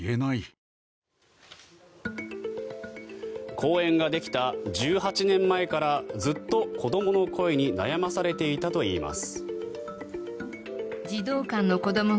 公園ができた１８年前からずっと子どもの声に悩まされていたといいます。